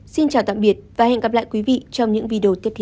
xin chào tạm biệt và hẹn gặp lại quý vị trong những video tiếp theo